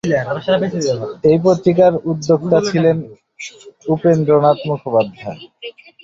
এই পত্রিকার উদ্যোক্তা ছিলেন উপেন্দ্রনাথ মুখোপাধ্যায়।